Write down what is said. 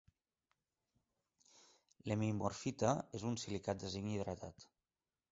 L'hemimorfita és un silicat de zinc hidratat.